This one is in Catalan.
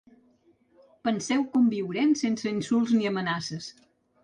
Penseu com viurem sense insults ni amenaces.